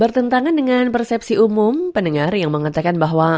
bertentangan dengan persepsi umum pendengar yang mengatakan bahwa